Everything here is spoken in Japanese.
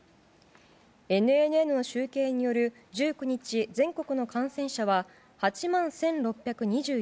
ＮＮＮの集計による１９日、全国の感染者は８万１６２１人。